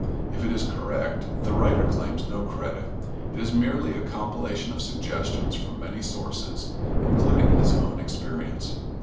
If it is correct the writer claims no credit; it is merely a compilation of suggestions from many sources, including his own experience.